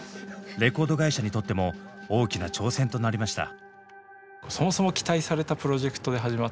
レコード会社にとっても大きな挑戦となりました。